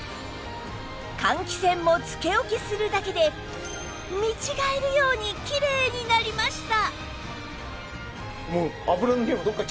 換気扇もつけ置きするだけで見違えるようにきれいになりました！